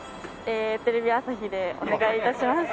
テレビ朝日でお願い致します。